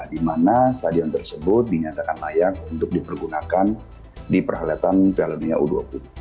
di mana stadion tersebut dinyatakan layak untuk dipergunakan di perhelatan piala dunia u dua puluh